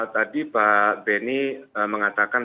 tadi pak benny mengatakan